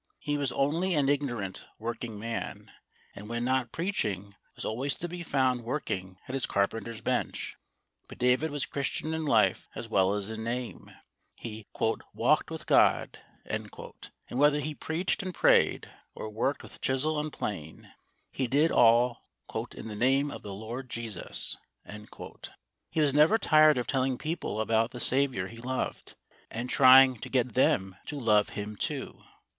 He was only an ignorant working man, and when not preaching was always to be found working at his carpenter's bench. But David was Christian in life as well as in name; he "walked with God," and whether he preached and prayed, or worked with chisel and plane, he did all "in the name of the Lord Jesus." He was never tired of telling people about the Saviour he loved, and trying to get them to love Him too.